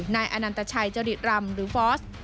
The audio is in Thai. นายอันตชัยเจอดิตรรรมหรือฟอส